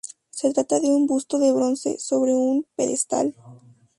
Se trata de un busto de bronce sobre un pedestal.